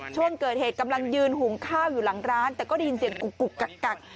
ช่วงเกิดเหตุกำลังยืนหุงข้าวอยู่หลังร้านแต่ก็ได้ยินเสียงกุกกัก